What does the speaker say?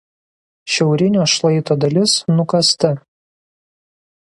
Šiaurinio šlaito dalis nukasta.